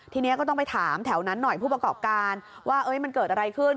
ทีนี้ก็ต้องไปถามแถวนั้นหน่อยผู้ประกอบการว่ามันเกิดอะไรขึ้น